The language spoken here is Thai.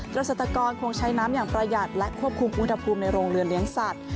เกษตรกรคงใช้น้ำอย่างประหยัดและควบคุมอุณหภูมิในโรงเรือนเลี้ยงสัตว์